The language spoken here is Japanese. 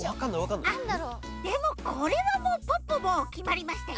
あっでもこれはもうポッポもうきまりましたよ。